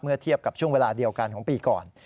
เทียบกับช่วงเวลาเดียวกันของปีก่อน